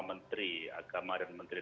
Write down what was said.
menteri agama dan menteri